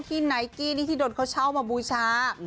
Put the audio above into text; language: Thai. ที่ไนกี้นี่ที่โดนเขาเช่ามาบูชา